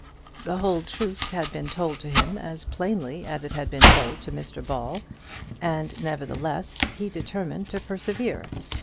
The whole truth had been told to him as plainly as it had been told to Mr Ball, and nevertheless he determined to persevere.